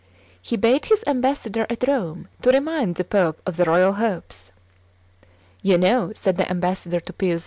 He bade his ambassador at Rome to remind the pope of the royal hopes. "You know," said the ambassador to Pius II.